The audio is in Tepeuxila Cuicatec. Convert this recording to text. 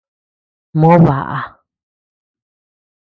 Moo baʼa.